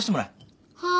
はい。